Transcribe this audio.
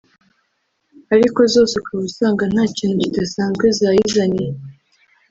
ariko zose ukaba usanga nta kintu kidasanzwe zayizaniye